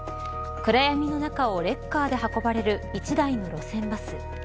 暗闇の中をレッカーで運ばれる１台の路線バス。